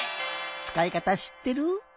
つかいかたしってる？